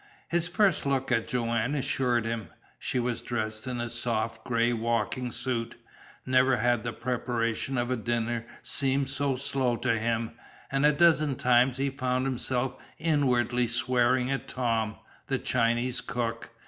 His first look at Joanne assured him. She was dressed in a soft gray walking suit. Never had the preparation of a dinner seemed so slow to him, and a dozen times he found himself inwardly swearing at Tom, the Chinese cook.